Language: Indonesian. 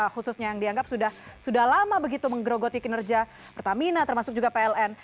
khususnya yang dianggap sudah lama begitu menggerogoti kinerja pertamina termasuk juga pln